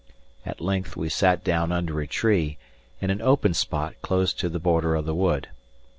At length we sat down under a tree, in an open spot close to the border of the wood.